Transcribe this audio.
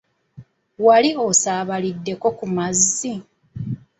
Wali osaabaliddeko ku mazzi?